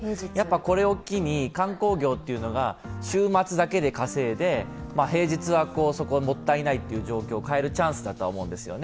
これを機に観光業というのが週末だけで稼いで平日はもったいないという状況を変えるチャンスだと思うんですよね。